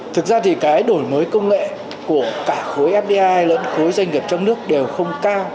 thực ra thì cái đổi mới công nghệ của cả khối fdi lẫn khối doanh nghiệp trong nước đều không cao